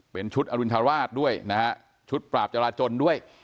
เป็นชุดอรุณฑราชด้วยนะฮะชุดปราบจราจนด้วย